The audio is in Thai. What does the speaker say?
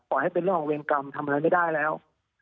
ให้เป็นเรื่องของเวรกรรมทำอะไรไม่ได้แล้ว